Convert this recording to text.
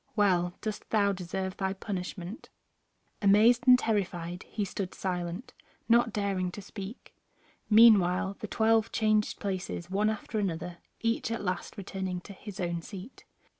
Well dost thou deserve thy punishment." Amazed and terrified he stood silent, not daring to speak. Meanwhile the twelve changed places one after another, each at last returning to his own seat.